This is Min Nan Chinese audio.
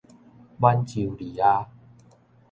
滿洲利亞